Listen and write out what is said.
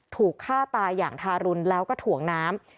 ถูกฆ่าตายอย่างทารุณแล้วก็ถ่วงน้ำ